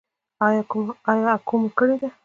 ایا اکو مو کړې ده؟